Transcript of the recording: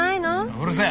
うるせえ！